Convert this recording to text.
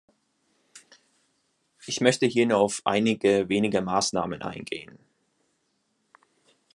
Ich möchte hier nur auf einige wenige Maßnahmen eingehen.